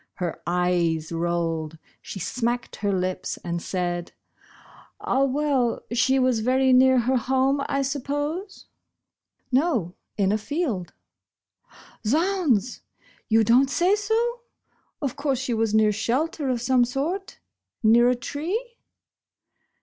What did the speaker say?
Her eyes rolled. She smacked her lips and said : "Ah, well, she was very near her home, I suppose ?"" No, in a field." " Z'hounds ! You don't say so ? Of course she was near shelter of some sort ? Near a tree